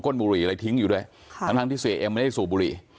บุหรี่อะไรทิ้งอยู่ด้วยทั้งที่เสียเอ็มไม่ได้สูบบุหรี่